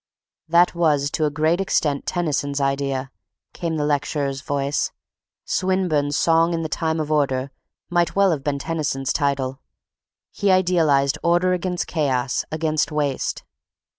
"That was to a great extent Tennyson's idea," came the lecturer's voice. "Swinburne's Song in the Time of Order might well have been Tennyson's title. He idealized order against chaos, against waste."